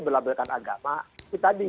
berlabel agama itu tadi